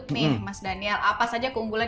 nih mas daniel apa saja keunggulan